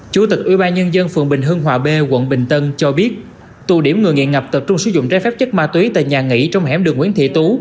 chủ tịch ubnd phường bình hưng hòa b quận bình tân cho biết tù điểm người nghiện ngập tập trung sử dụng trái phép chất ma túy tại nhà nghỉ trong hẻm đường nguyễn thị tú